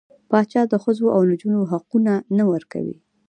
پاچا د ښځو او نجونـو حقونه نه ورکوي .